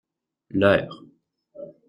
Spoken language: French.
Leur.